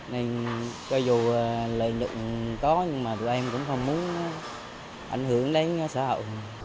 nên coi dù lợi nhận có nhưng mà tụi em cũng không muốn ảnh hưởng đến xã hội